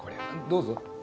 どうぞ。